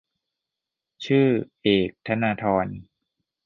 ชื่อ : เอก ธนาธร